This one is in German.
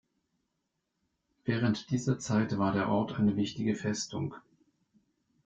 Während dieser Zeit war der Ort eine wichtige Festung.